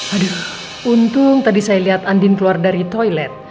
aduh untung tadi saya lihat andin keluar dari toilet